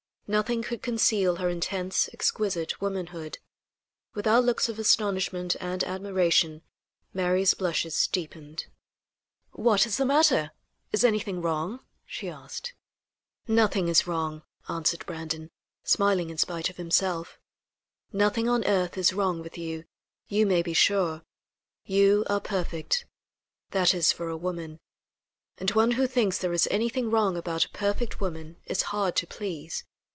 Nothing could conceal her intense, exquisite womanhood. With our looks of astonishment and admiration Mary's blushes deepened. "What is the matter? Is anything wrong?" she asked. "Nothing is wrong," answered Brandon, smiling in spite of himself; "nothing on earth is wrong with you, you may be sure. You are perfect that is, for a woman; and one who thinks there is anything wrong about a perfect woman is hard to please.